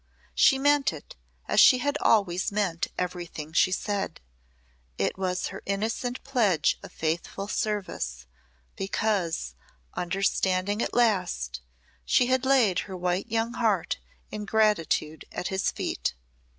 She meant it as she had always meant everything she said. It was her innocent pledge of faithful service, because, understanding at last, she had laid her white young heart in gratitude at his feet.